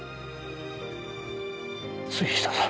杉下さん